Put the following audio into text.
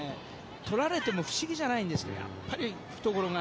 取られても不思議じゃないんですけどやっぱり懐が。